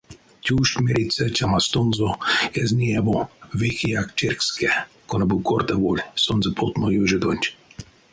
Тюжт мериця чамастонзо эзь неяво вейкеяк церькске, кона бу кортаволь сонзэ потмо ёжодонть.